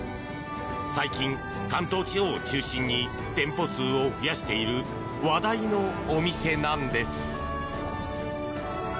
最近、関東地方を中心に店舗数を増やしている話題のお店なんです。